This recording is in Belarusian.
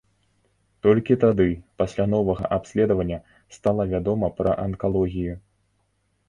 Толькі тады, пасля новага абследавання, стала вядома пра анкалогію.